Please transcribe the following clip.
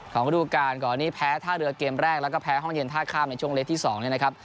กระดูกการก่อนอันนี้แพ้ท่าเรือเกมแรกแล้วก็แพ้ห้องเย็นท่าข้ามในช่วงเล็กที่๒เนี่ยนะครับ